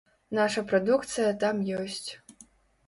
Наша прадукцыя там ёсць.